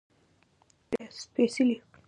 زه به یې وږم اوږغ دواړه لکه دوه سپیڅلي،